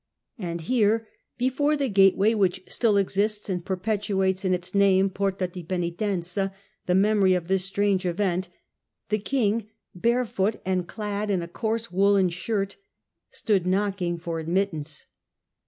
And here, before the gateway which still exists, and perpetuates in its name, ' Porta di penitenza,' the memory of this strange event, the king, barefoot, and clad in a coarse wooUen shirt, stood knocking for admittance.